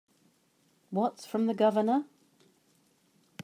What's from the Governor?